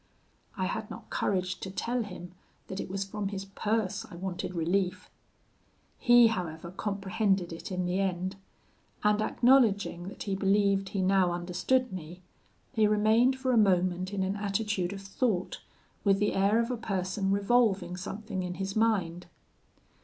I had not courage to tell him that it was from his purse I wanted relief. He, however, comprehended it in the end; and acknowledging that he believed he now understood me, he remained for a moment in an attitude of thought, with the air of a person revolving something in his mind.